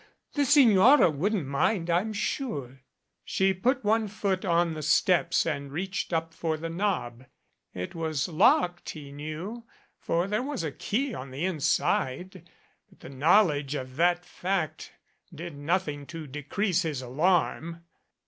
The Signora wouldn't mind, I'm sure " She put one foot on the steps and reached up for the knob. It was locked he knew, for there was a key on the inside, but the knowledge of that fact did nothing to de crease his alarm.